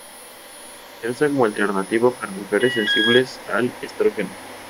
Se usa como alternativa para mujeres sensibles al estrógeno.